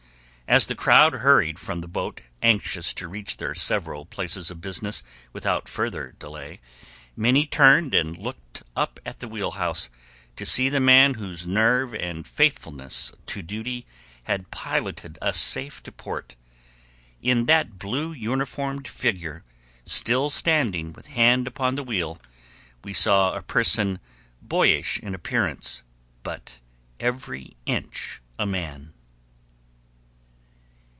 As the crowd hurried from the boat, anxious to reach their several places of business without further delay, many turned and looked up at the wheelhouse, to see the man whose nerve and faithfulness to duty had piloted us safe to port. In that blue uniformed figure, still standing with hand upon the wheel, we saw a person boyish in appearance, but every inch a man.